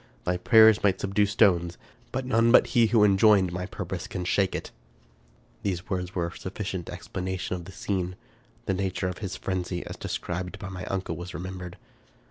Thy prayers might subdue stones ; but none but he who enjoined my purpose can shake it." These words were a sufficient explication of the scene. The nature of his frenzy, as described by my uncle, was remembered.